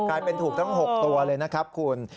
กลายเป็นถูกทั้ง๖ตัวเลยนะครับคุณ